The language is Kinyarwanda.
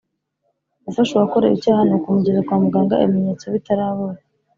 Gufasha uwakorewe icyaha ni ukumugeza kwa muganga ibimenyetso bitarabura